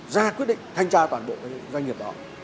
ra quyết định thanh tra toàn bộ cái doanh nghiệp đó